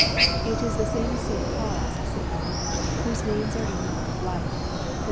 It is the same as St. Paul's saying " whose names are in the book of life." (Phil iv.